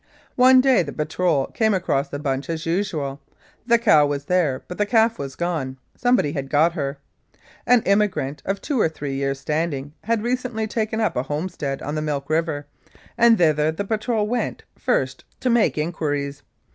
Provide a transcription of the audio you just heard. One day the patrol came across the bunch as usual the cow was there but the calf was gone. Somebody had got her. An immigrant of two or three years 1 standing had recently taken up a homestead on the Milk River, and thither the patrol went first to make in quiries.